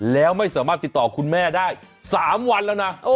แล้วไม่สามารถติดต่อคุณแม่ได้๓วันแล้วนะ